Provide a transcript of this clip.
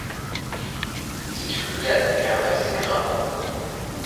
C'est une liane herbacée grimpante.